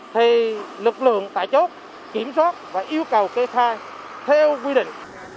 thì lực lượng tại chốt kiểm soát và yêu cầu kê khai theo quy định